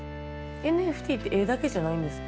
ＮＦＴって絵だけじゃないんですか？